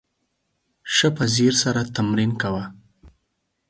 ښه په ځیر سره تمرین کوه !